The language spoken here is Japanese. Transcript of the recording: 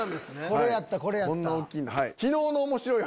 これやったこれやった。